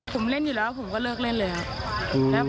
ผมเล่นอยู่แล้วผมก็เลิกเล่นเลยครับ